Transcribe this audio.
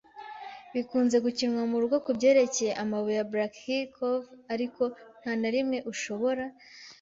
bikunze gukinirwa murugo kubyerekeye amabuye ya Black Hill Cove, ariko ntanarimwe, ushobora